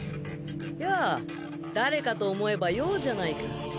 やあ誰かと思えば葉じゃないか。